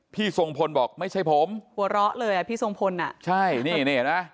ทรงพลบอกไม่ใช่ผมหัวเราะเลยอ่ะพี่ทรงพลอ่ะใช่นี่นี่เห็นไหม